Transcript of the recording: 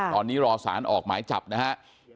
ตอนนี้รอสารออกหมายจับนะครับ